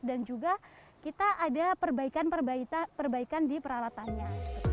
dan juga kita ada perbaikan perbaikan di peralatannya